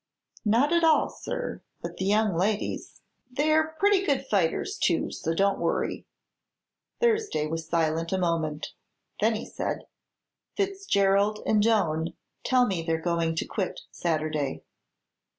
"Not at all, sir; but the young ladies " "They're pretty good fighters, too; so don't worry." Thursday was silent a moment. Then he said: "Fitzgerald and Doane tell me they're going to quit, Saturday."